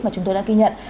mà chúng tôi đã ghi nhận